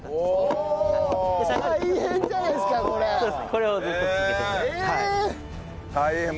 これをずっと続けてもらって。